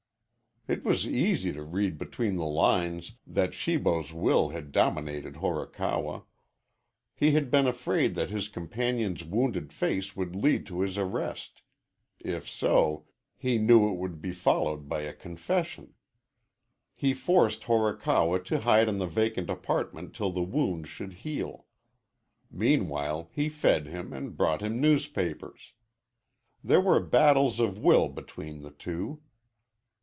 It was easy to read between the lines that Shibo's will had dominated Horikawa. He had been afraid that his companion's wounded face would lead to his arrest. If so, he knew it would be followed by a confession. He forced Horikawa to hide in the vacant apartment till the wound should heal. Meanwhile he fed him and brought him newspapers. There were battles of will between the two.